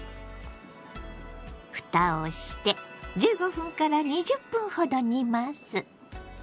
ふたをして１５分から２０分ほど煮ます。